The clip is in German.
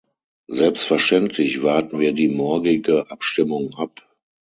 Selbstverständlich warten wir die morgige Abstimmung ab.